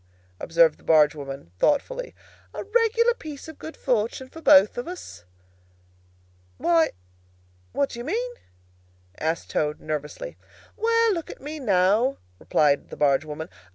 observed the barge woman, thoughtfully. "A regular piece of good fortune for both of us!" "Why, what do you mean?" asked Toad, nervously. "Well, look at me, now," replied the barge woman.